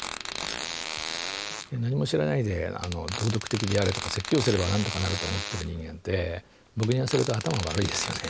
何も知らないで道徳的であれとか説教すればなんとかなると思ってる人間って僕に言わせると頭悪いですよね。